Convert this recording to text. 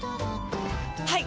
はい！